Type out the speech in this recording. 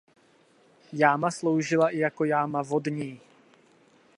Jáma sloužila i jako jáma vodní.